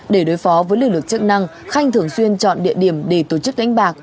để đối phó với lực lượng chức năng khanh thường xuyên chọn địa điểm để tổ chức đánh bạc